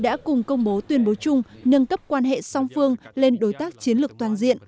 đã cùng công bố tuyên bố chung nâng cấp quan hệ song phương lên đối tác chiến lược toàn diện